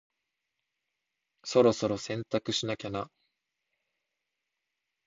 そろそろ洗濯しなきゃな。